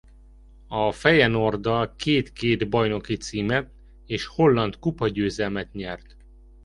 A Feyenoorddal két-két bajnoki címet és holland kupa-győzelmet nyert.